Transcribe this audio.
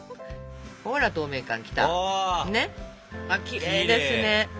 きれいですね。